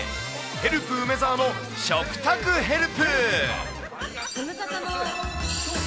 ヘルプ梅澤の食卓ヘルプ。